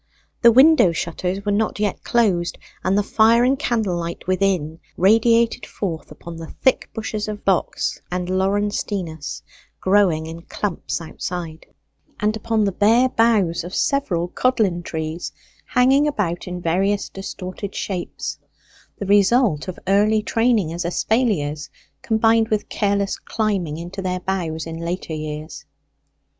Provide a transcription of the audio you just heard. The window shutters were not yet closed, and the fire and candle light within radiated forth upon the thick bushes of box and laurestinus growing in clumps outside, and upon the bare boughs of several codlin trees hanging about in various distorted shapes, the result of early training as espaliers combined with careless climbing into their boughs in later years.